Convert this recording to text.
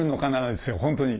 ですよ本当に。